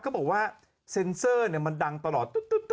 ก็บอกว่าเซ็นเซอร์เนี่ยมันดังตลอด